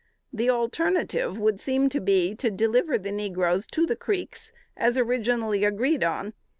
The alternative would seem to be, to deliver the negroes to the Creeks, as originally agreed on.